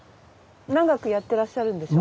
長くやってらっしゃるんでしょう？